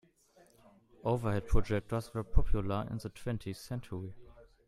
Overhead projectors were popular in the twentieth century.